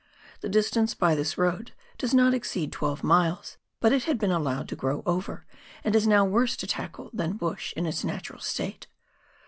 The distance by this road does not exceed twelve miles, but it had been allowed to grow over, and is now worse to tackle than bush in its natural state.